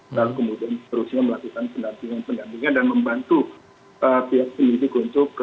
lalu kemudian seterusnya melakukan pendampingan pendampingan dan membantu pihak penyidik untuk